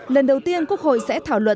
lần đầu tiên quốc hội sẽ thảo luận